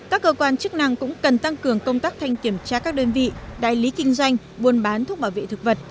các cơ quan chức năng cũng cần tăng cường công tác thanh kiểm tra các đơn vị đại lý kinh doanh buôn bán thuốc bảo vệ thực vật